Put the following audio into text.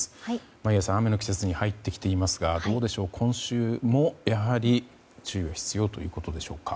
眞家さん、雨の季節に入ってきていますがどうでしょう、今週もやはり注意が必要ということでしょうか。